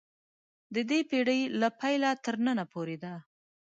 د دې پېړۍ له پیله تر ننه پورې ده.